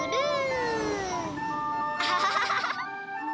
アハハハハ。